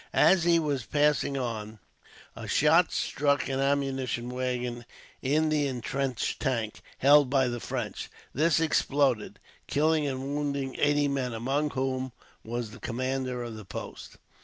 As he was passing on, a shot struck an ammunition waggon in the intrenched tank held by the French. This exploded, killing and wounding eighty men, among whom was the commander of the post.